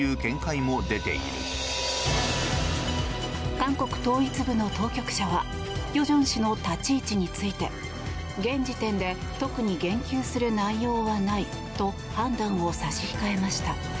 韓国統一部の当局者は与正氏の立ち位置について現時点で特に言及する内容はないと判断を差し控えました。